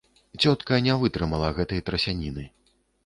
Цётка не вытрымала гэтай трасяніны.